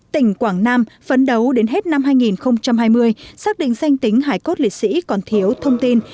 tỉnh quảng nam phấn đấu đến hết năm hai nghìn hai mươi xác định danh tính hải cốt lễ sĩ còn thiếu thông tin